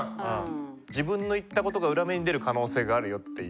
自分の言ったことが裏目に出る可能性があるよっていう。